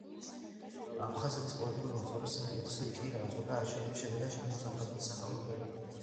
აფხაზეთის პოლიტიკური მოწყობის საკითხს კი გადაწყვეტდა არჩევნების შედეგად შექმნილი აფხაზეთის სახალხო კრება.